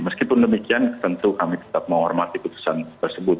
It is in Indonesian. meskipun demikian tentu kami tetap menghormati putusan tersebut